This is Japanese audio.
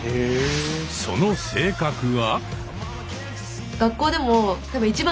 その性格は。